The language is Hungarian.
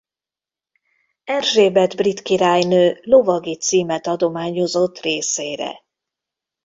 Erzsébet brit királynő lovagi címet adományozott részére.